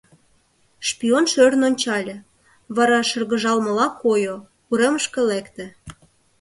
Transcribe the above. Шпион шӧрын ончале, вара шыргыжалмыла койо, уремышке лекте.